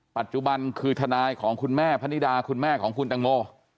ปัจจุบันคือทนายของคุณแม่พนิดาคุณแม่ของคุณตังโม